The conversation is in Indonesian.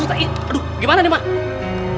aduh gimana nih mak